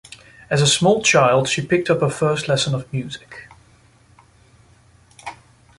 As a small child, she picked up her first lesson of music.